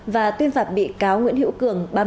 và tuyên phạt bị cáo nguyễn hữu cường